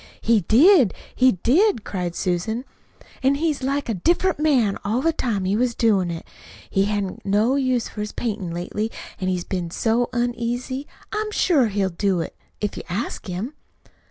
"He did, he did," cried Susan, "an' he was like a different man all the time he was doin' it. He hain't had no use for his paintin' lately, an' he's been so uneasy. I'm sure he'll do it, if you ask him."